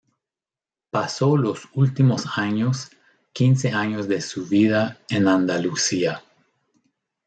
Pasó los últimos años quince años de su vida en Andalucía.